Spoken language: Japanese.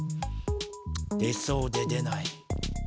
出そうで出ない。